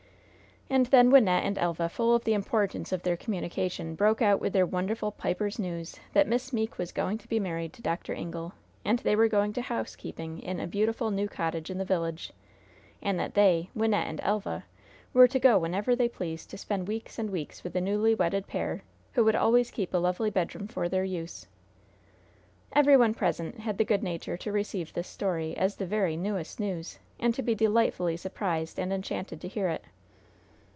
And then Wynnette and Elva, full of the importance of their communication, broke out with their wonderful "pipers' news" that Miss Meeke was going to be married to Dr. Ingle, and they were going to housekeeping in a beautiful, new cottage in the village, and that they Wynnette and Elva were to go whenever they pleased to spend weeks and weeks with the newly wedded pair, who would always keep a lovely bedroom for their use. Every one present had the good nature to receive this story as the very newest news, and to be delightfully surprised and enchanted to hear it.